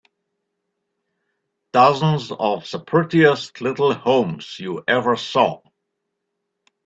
Dozens of the prettiest little homes you ever saw.